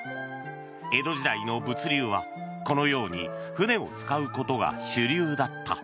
江戸時代の物流はこのように船を使うことが主流だった。